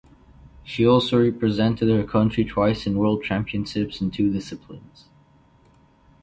She also represented her country twice in World championships in two disciplines.